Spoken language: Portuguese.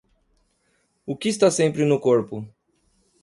O que está sempre no corpo?